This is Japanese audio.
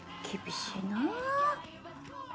厳しいな。